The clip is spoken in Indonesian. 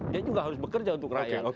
dia juga harus bekerja untuk rakyat